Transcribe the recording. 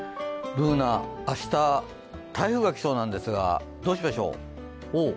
Ｂｏｏｎａ、明日、台風が来そうなんですが、どうしましょう？